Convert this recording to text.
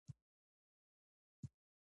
هغه د شاه زمان د ورور ملاتړ وکړ.